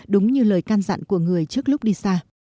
đúng như lời can dặn của người trước lúc đi xa